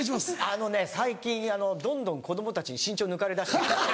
あのね最近どんどん子供たちに身長抜かれ出してるんですよ。